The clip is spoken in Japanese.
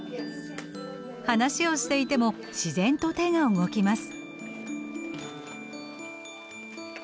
話をしていても自然と手が動きます。